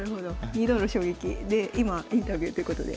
２度の衝撃で今インタビューということで。